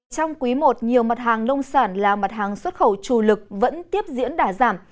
trong quý i nhiều mặt hàng nông sản là mặt hàng xuất khẩu trù lực vẫn tiếp diễn đả giảm